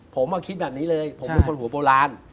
ผมคิดแบบนี้เลยผมเป็นคนหัวโบราณ